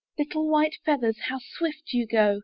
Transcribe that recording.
Little white feathers, How swift you go!